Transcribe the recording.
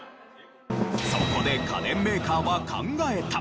そこで家電メーカーは考えた。